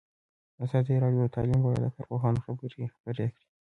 ازادي راډیو د تعلیم په اړه د کارپوهانو خبرې خپرې کړي.